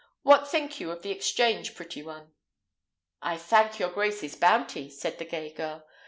What think you of the exchange, pretty one?" "I thank your grace's bounty," said the gay girl.